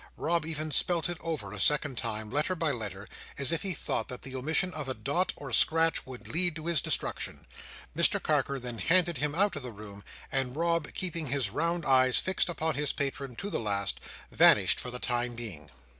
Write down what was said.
Rob even spelt it over a second time, letter by letter, as if he thought that the omission of a dot or scratch would lead to his destruction. Mr Carker then handed him out of the room; and Rob, keeping his round eyes fixed upon his patron to the last, vanished for the time being.